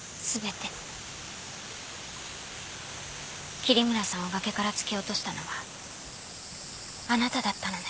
桐村さんを崖から突き落としたのはあなただったのね。